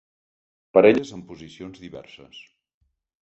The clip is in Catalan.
Parelles en posicions diverses.